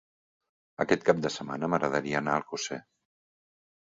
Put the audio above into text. Aquest cap de setmana m'agradaria anar a Alcosser.